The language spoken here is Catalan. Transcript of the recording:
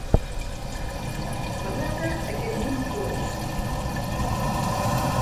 M'agrada aquest munt de colors.